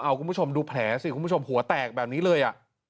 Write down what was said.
เอาคุณผู้ชมดูแผลสิคุณผู้ชมหัวแตกแบบนี้เลย